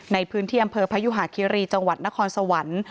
ในพื้นที่อำเภอพยุหาคิรีจังหวัดนครสวรรค์